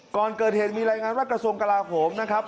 ก่อนเกิดเหตุมีรายงานว่ากระทรวงกลาโหมนะครับ